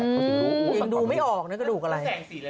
อืมยังดูไม่ออกเนี่ยกระดูกอะไร